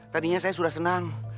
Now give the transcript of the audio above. tadinya saya sudah senang